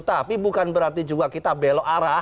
tapi bukan berarti juga kita belok arah